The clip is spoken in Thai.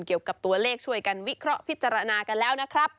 เกี่ยวกับตัวเลขช่วยกันวิเคราะห์พิจารณากันแล้วนะครับ